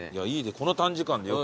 この短時間でよく。